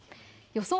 予想